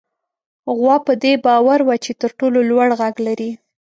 غوا په دې باور وه چې تر ټولو لوړ غږ لري.